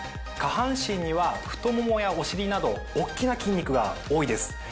下半身には太ももやお尻など大っきな筋肉が多いです。